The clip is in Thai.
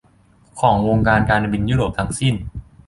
ของวงการการบินยุโรปทั้งสิ้น